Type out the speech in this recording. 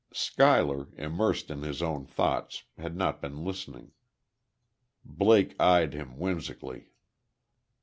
Schuyler, immersed in his own thoughts, had not been listening. Blake eyed him, whimsically.